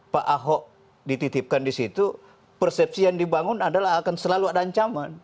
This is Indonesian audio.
pak ahok dititipkan di situ persepsi yang dibangun adalah akan selalu ada ancaman